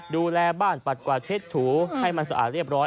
ดูแลบ้านปัดกว่าเช็ดถูให้มันสะอาดเรียบร้อย